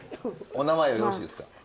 お名前よろしいですか？